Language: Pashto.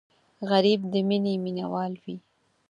غریب د مینې مینهوال وي